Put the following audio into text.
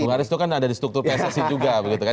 bung haris itu kan ada di struktur pssi juga begitu kan